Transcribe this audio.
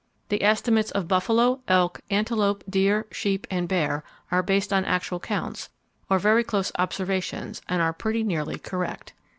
"The estimates of buffalo, elk, antelope, deer, sheep and bear are based on actual counts, or very close observations, and are pretty nearly correct."